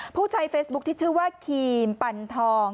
ผู้ใช้เฟซบุ๊คที่ชื่อว่าครีมปันทอง